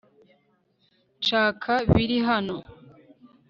nshaka biri hano